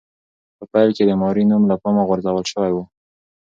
په پیل کې د ماري نوم له پامه غورځول شوی و.